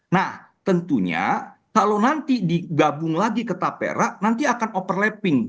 nah tentunya kalau nanti digabung lagi ke tapera nanti akan overlapping